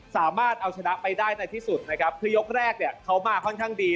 สามารถเอาชนะไปได้ในที่สุดนะครับคือยกแรกเนี่ยเขามาค่อนข้างดี